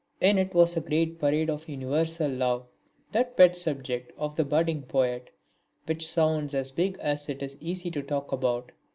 In it was a great parade of universal love, that pet subject of the budding poet, which sounds as big as it is easy to talk about.